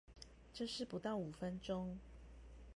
這是不到五分鐘